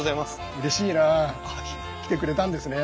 うれしいな。来てくれたんですね。